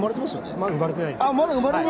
まだ生まれてないです。